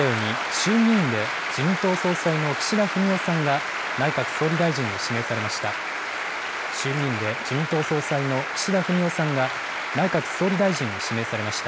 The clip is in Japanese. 衆議院で自民党総裁の岸田文雄さんが、内閣総理大臣に指名されました。